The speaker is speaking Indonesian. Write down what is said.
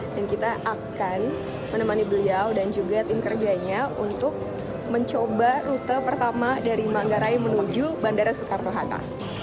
dan kita akan menemani beliau dan juga tim kerjanya untuk mencoba rute pertama dari manggarai menuju bandara sekartohata